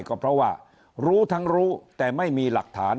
ก็เพราะว่ารู้ทั้งรู้แต่ไม่มีหลักฐาน